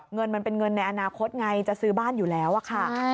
เงินมันเป็นเงินในอนาคตไงจะซื้อบ้านอยู่แล้วอะค่ะ